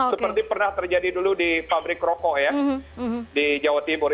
seperti pernah terjadi dulu di pabrik rokok ya di jawa timur